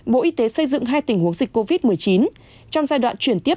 bộ y tế xây dựng hai tình huống dịch covid một mươi chín trong giai đoạn chuyển tiếp